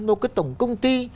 một cái tổng công ty